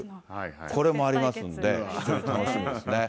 これもありますんで、ちょっと楽しみですね。